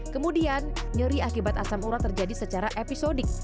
kemudian nyeri akibat asam urat terjadi secara episodik